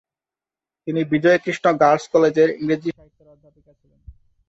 তিনি বিজয় কৃষ্ণ গার্লস কলেজের ইংরেজি সাহিত্যের অধ্যাপিকা ছিলেন।